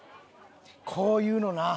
こういうのな！